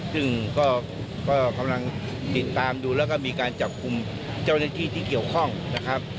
ซึ่งก็กำลังติดตามดูแล้วก็มีการจับกลุ่มเจ้าหน้าที่ที่เกี่ยวข้องนะครับ